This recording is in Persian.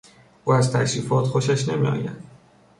او از تشریفات خوشش نمیآید.